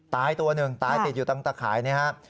ตัวหนึ่งตายติดอยู่ตรงตะข่ายนะครับ